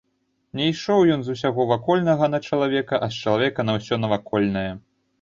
Не ішоў ён з усяго вакольнага на чалавека, а з чалавека на ўсё навакольнае.